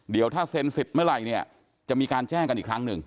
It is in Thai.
เดี๋ยวถ้าเซ็นเสร็จเมื่อไหร่เนี่ยจะมีการแจ้งกันอีกครั้งหนึ่ง